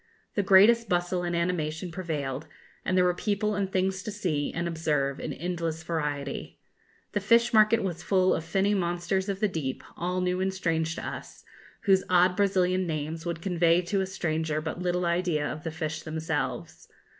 The greatest bustle and animation prevailed, and there were people and things to see and observe in endless variety. The fish market was full of finny monsters of the deep, all new and strange to us, whose odd Brazilian names would convey to a stranger but little idea of the fish themselves.